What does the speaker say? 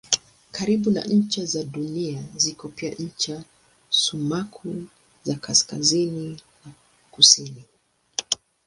Karibu na ncha za Dunia ziko pia ncha sumaku za kaskazini na kusini.